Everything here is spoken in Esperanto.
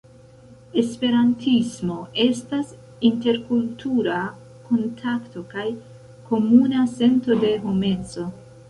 Esperantismo estas interkultura kontakto kaj komuna sento de homeco.